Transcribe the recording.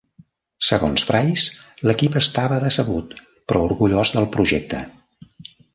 Segons Price, l'equip estava decebut però orgullós del projecte.